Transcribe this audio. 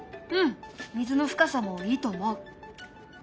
うん水の深さもいいと思う。